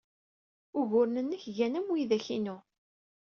Uguren-nnek gan am widak-inu.